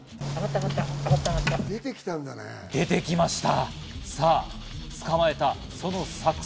出てきました。